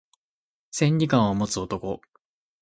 千里眼を持つ男